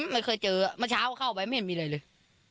ไม่เคยเจอเมื่อเช้าเข้าไปไม่เห็นมีอะไรเลย